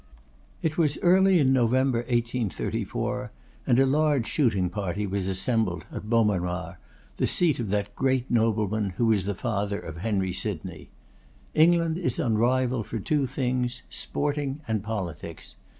It was early in November, 1834, and a large shooting party was assembled at Beaumanoir, the seat of that great nobleman, who was the father of Henry Sydney. England is unrivalled for two things, sporting and politics.